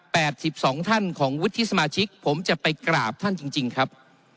สิบสองท่านของวุฒิสมาชิกผมจะไปกราบท่านจริงจริงครับ